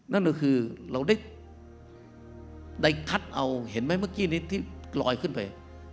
นั่นก็คือเราได้คัดเอาเห็นไหมเมื่อกี้นี้ที่ลอยขึ้นไป